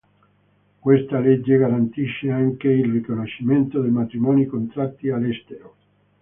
Questa legge garantisce anche il riconoscimento dei matrimoni contratti all'estero.